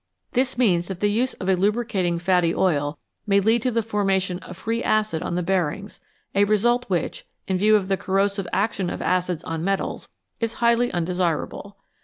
This means that the use of a lubricating fatty oil may lead to the formation of free acid on the bearings, a result which, in view of the corrosive action of acids on metals, is highly un desirable.